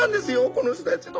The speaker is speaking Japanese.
この人たちと。